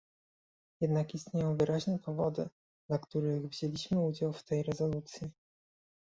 Jednak istnieją wyraźne powody, dla których wzięliśmy udział w tej rezolucji